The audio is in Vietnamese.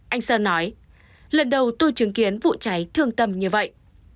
anh sơn nói lần đầu tôi chứng kiến vụ cháy thương tâm như vậy